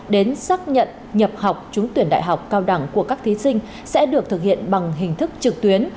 đến xác nhận nhập học trúng tuyển đại học cao đẳng của các thí sinh sẽ được thực hiện bằng hình thức trực tuyến